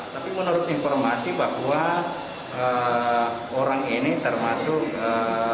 tapi menurut informasi bahwa orang ini termasuk ee